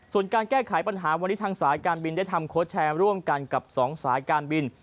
ส่วนการแก้ไขปัญหาวันนี้ทางสายการบินได้ทำโค้ชแชร์ร่วมกันกับ๒สายการบิน